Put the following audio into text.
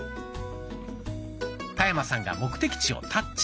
田山さんが目的地をタッチ。